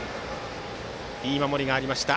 いい守りがありました。